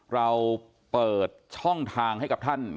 เราเปิดช่องทางให้กับท่าน